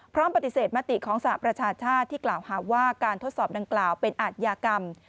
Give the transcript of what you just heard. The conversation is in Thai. พร้อมปฏิเสธมติของสหประชาชาติที่กล่าวหาว่าการทดสอบดังกล่าวเป็นอาทยากรรม